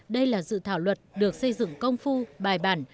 đây là dự thảo luật được xây dựng công phu bài bản